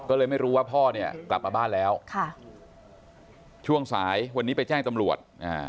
ก็เลยไม่รู้ว่าพ่อเนี่ยกลับมาบ้านแล้วช่วงสายวันนี้ไปแจ้งตำรวจ